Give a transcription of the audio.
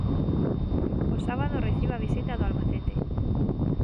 O sábado recibe a visita do Albacete.